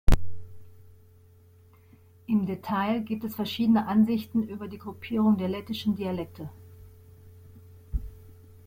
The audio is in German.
Im Detail gibt es verschiedene Ansichten über die Gruppierung der lettischen Dialekte.